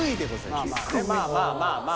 まあまあまあまあ。